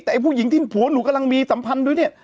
แต่ไอ้ผู้หญิงที่ผัวหนูกำลังมีสัมพันธ์ด้วยเนี่ย